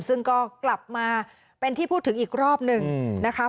ซึ่งก็กลับมาเป็นที่พูดถึงอีกรอบหนึ่งนะคะ